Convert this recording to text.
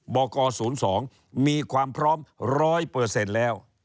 บก๐๒มีความพร้อม๑๐๐แล้ว